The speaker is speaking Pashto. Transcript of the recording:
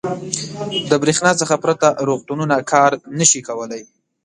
• د برېښنا څخه پرته روغتونونه کار نه شي کولی.